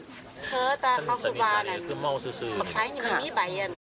เผลอแต่ของสุบาลนั้นใช้อย่างนี้ไหม